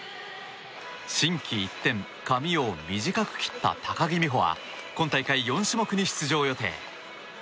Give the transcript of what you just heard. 心機一転、髪を短く切った高木美帆は今大会４種目に出場予定。